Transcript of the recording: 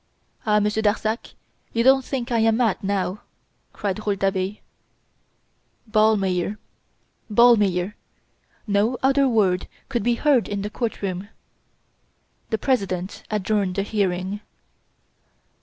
"Ah! Monsieur Darzac; you don't think I am mad, now!" cried Rouletabille. Ballmeyer! Ballmeyer! No other word could be heard in the courtroom. The President adjourned the hearing.